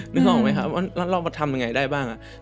นึกออกมั้ยครับว่าเรามาทำยังไงได้บ้างอะ